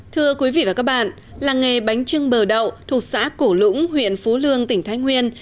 thưa quý vị và các bạn làng nghề bánh trưng bờ đậu thuộc xã cổ lũng huyện phú lương tỉnh thái nguyên